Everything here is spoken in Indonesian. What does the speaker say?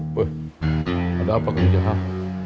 woi ada apa kejahat